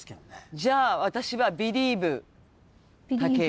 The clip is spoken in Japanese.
じゃあ私はビリーブ武井。